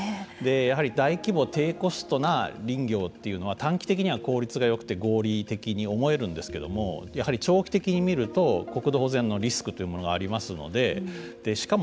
やはり大規模低コストな林業というのは短期的には効率がよくて合理的に思えるんですけどもやはり長期的に見ると国土保全のリスクというものがありますのでしかも